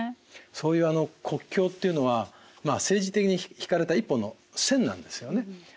そういう国境というのは政治的に引かれた一本の線なんですよね。